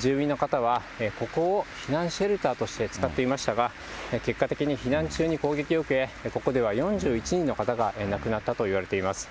住民の方は、ここを避難シェルターとして使っていましたが、結果的に避難中に攻撃を受け、ここでは４１人の方が亡くなったといわれています。